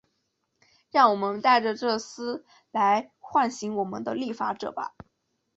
让我们戴着这丝带来唤醒我们的立法者吧。